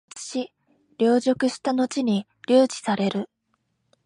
略奪し、凌辱したのちに留置される。